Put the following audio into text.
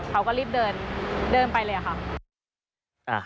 เขาก็รีบเดินเดินไปเลยค่ะ